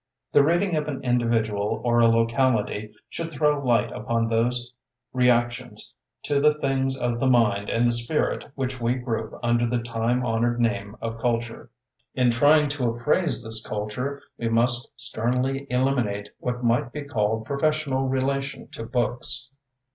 The reading of an individual or a locality should throw light upon those reactions to the things of the mind and the spirit which we group under the time hon ored name of culture. In trying to appraise this culture, we must sternly eliminate what might be called professional relation to books.